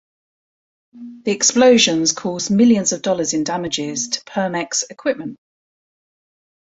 The explosions caused millions of dollars in damages to Pemex equipment.